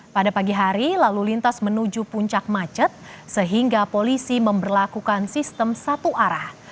pada pagi hari lalu lintas menuju puncak macet sehingga polisi memperlakukan sistem satu arah